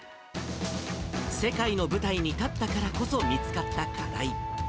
世界の舞台に立ったからこそ、見つかった課題。